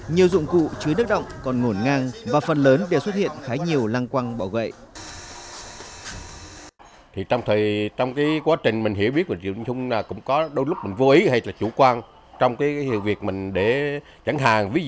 nhiều dụng cụ chứa nước động còn ngổn ngang và phần lớn đều xuất hiện khá nhiều lăng quăng bỏ gậy